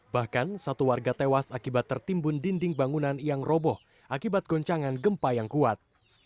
bahkan satu warga tewas akibat tertimbun dinding bangunan yang roboh akibat goncangan gempa yang kuat